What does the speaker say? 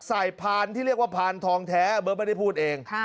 พานที่เรียกว่าพานทองแท้เบิร์ตไม่ได้พูดเอง